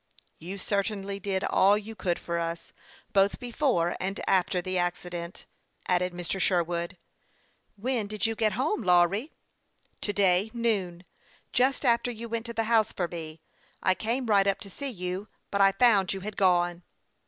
" You certainly did all you could for us, both before and after the accident," added Mr. Sherwood. " When did you get home, Lawry ?"" To day noon, just after you went to the house for me. I came right up to see you ; but I found you had gone."